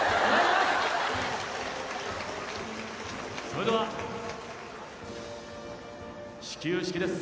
それでは始球式です。